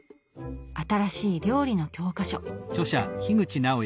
「新しい料理の教科書」。